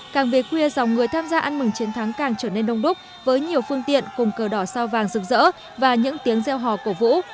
càng về khuya dòng người tham gia ăn mừng chiến thắng càng trở nên đông đúc với nhiều phương tiện cùng cờ đỏ sao vàng rực rỡ và những tiếng gieo hò cổ vũ